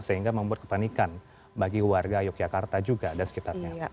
sehingga membuat kepanikan bagi warga yogyakarta juga dan sekitarnya